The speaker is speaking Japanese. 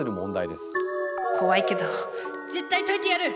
怖いけど絶対解いてやる！